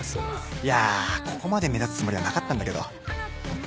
いやぁここまで目立つつもりはなかったんだけど。